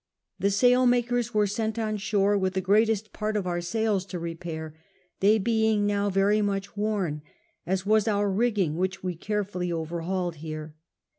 The sailmakers w^ere sent on shore ivith the greatest part of our sails to repair, they being now very much worn ; as was all our rigging, which we cai efully overhauled here.